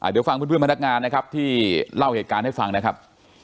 เดี๋ยวฟังเพื่อนพนักงานนะครับที่เล่าเหตุการณ์ให้ฟังนะครับ